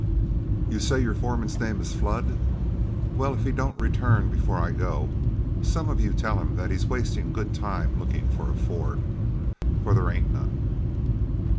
You say your foreman's name is Flood? Well, if he don't return before I go, some of you tell him that he's wasting good time looking for a ford, for there ain't none."